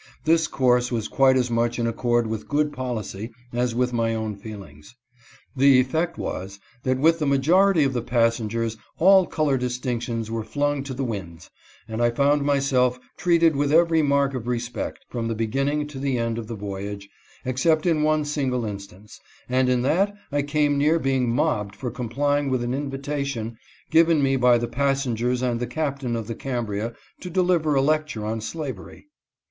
This course was quite as much in accord with good policy as with my own feel ings. The effect was that with the majority of the pas sengers all color distinctions were flung to the winds, and I found myself treated with every mark of respect from the beginning to the end of the voyage, except in one single HIS RECEPTION IN ENGLAND. 291, instance, and in that I came near being mobbed for com plying with an invitation given me by the passengers and the captain of the Cambria to deliver a lecture on slavery.